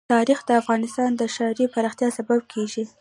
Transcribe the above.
تاریخ د افغانستان د ښاري پراختیا سبب کېږي.